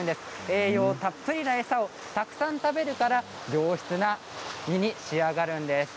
栄養たっぷりの餌をたくさん食べるから良質な身に仕上がるんです。